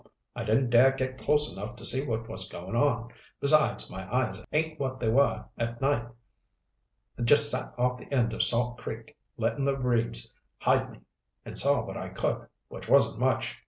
I didn't dare get close enough to see what was going on. Besides, my eyes ain't what they were at night. I just sat off the end of Salt Creek, letting the reeds hide me, and saw what I could, which wasn't much.